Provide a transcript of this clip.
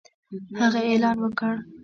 هغه اعلان وکړ